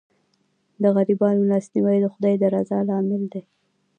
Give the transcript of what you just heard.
د غریبانو لاسنیوی د خدای د رضا لامل دی.